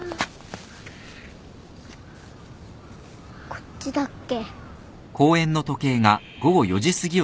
こっちだっけ。